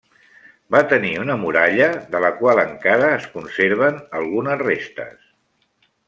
Va tenir una muralla de la qual encara es conserven algunes restes.